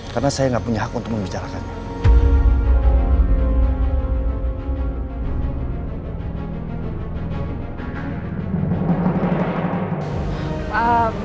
karena saya nggak punya hak untuk membicarakannya